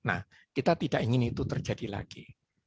nah kita tidak ingin itu terjadi lagi